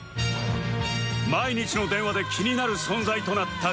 毎日の電話で気になる存在となった健介さん